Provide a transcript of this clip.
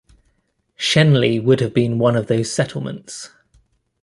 Shenley would have been one of these settlements.